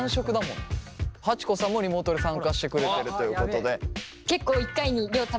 はちこさんもリモートで参加してくれてるということで。